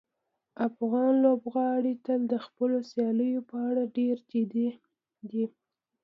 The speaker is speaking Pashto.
افغان لوبغاړي تل د خپلو سیالیو په اړه ډېر جدي دي.